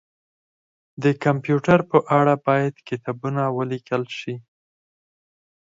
د کمپيوټر په اړه باید کتابونه ولیکل شي